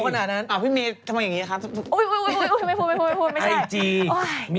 คนนะจ้ะป่วยไหม